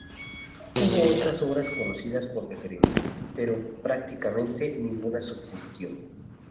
Hubo otras obras conocidas por referencias, pero prácticamente ninguna subsistió.